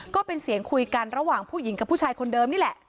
ก็เป็นเสียงคุยกันระหว่างผู้หญิงกับผู้ชายคนเดิมนี่แหละ